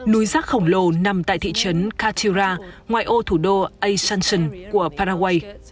núi rác khổng lồ nằm tại thị trấn katira ngoài ô thủ đô ayshansen của paraguay